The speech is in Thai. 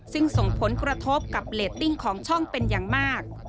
ซึ่งส่งผลกระทบกับเรตติ้งของช่องเป็นอย่างมาก